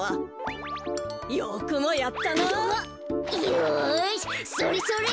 よしそれそれ。